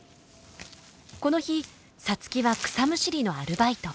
この日皐月は草むしりのアルバイト。